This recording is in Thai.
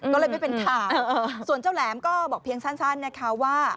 ก็เลยไม่เป็นข่าวส่วนเจ้าแหลมก็บอกเพียงสั้นนะคะว่า